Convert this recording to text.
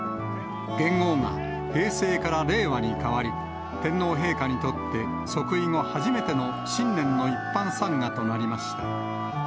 元号が平成から令和にかわり、天皇陛下にとって、即位後初めての新年の一般参賀となりました。